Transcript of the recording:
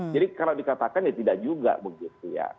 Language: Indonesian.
jadi kalau dikatakan ya tidak juga begitu ya